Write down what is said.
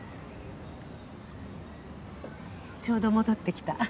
ちょうど戻ってきた。